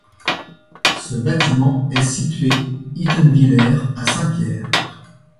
Ce bâtiment est situé Ittenwiller à Saint-Pierre.